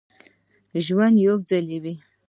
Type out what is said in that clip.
ژوند یو ځل وي